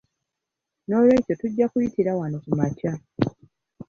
Noolwekyo tujja kuyitira wano ku makya.